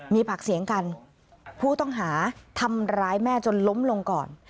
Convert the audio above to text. มีปากเสียงกันผู้ต้องหาทำร้ายแม่จนล้มลงก่อน